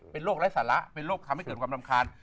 เป็นโรคไร้สาระเป็นโรคทำให้เกิดความรำคาญ